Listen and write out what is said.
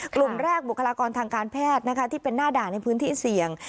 กลุ่มแรกบุคลากรทางการแพทย์นะคะที่เป็นหน้าด่านในพื้นที่เสี่ยง